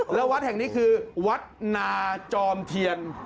แล้ววัดแห่งนี้คือวัดนาจอมเทียน